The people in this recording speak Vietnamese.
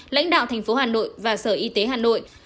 lãnh đạo thành phố hà nội và sở y tế hà nội